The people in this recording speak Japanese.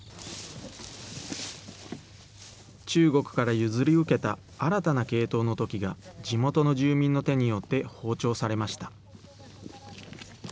中国から譲り受けた新たな系統のトキが、地元の住民の手によって放鳥されました。